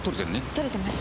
取れてます